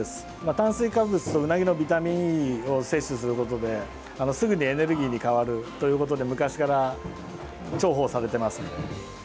炭水化物とうなぎのビタミンＥを摂取することですぐにエネルギーに変わるということで昔から重宝されています。